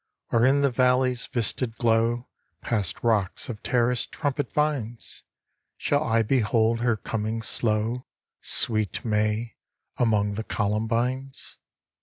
Or in the valley's vistaed glow, Past rocks of terraced trumpet vines, Shall I behold her coming slow, Sweet May, among the columbines?